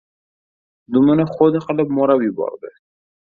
Dumini xoda qilib mo‘rab yubordi.